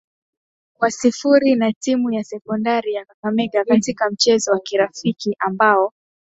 kwa sifuri na timu ya sekondari ya kakamega katika mchezo wa kirafiki ambao